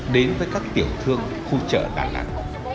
đến với các tiểu thương khu chợ đà lạt